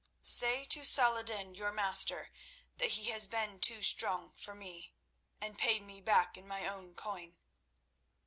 "Say to Saladin, your master, that he has been too strong for me, and paid me back in my own coin.